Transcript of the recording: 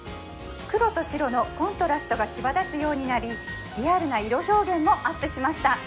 黒と白のコントラストが際立つようになりリアルな色表現もアップしました